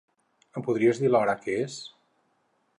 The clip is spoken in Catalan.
Em podries dir l'hora que és?